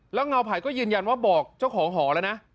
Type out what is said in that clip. แล้วเงาไผ่ก็ยืนยันว่าบอกเจ้าของหอแล้วนะ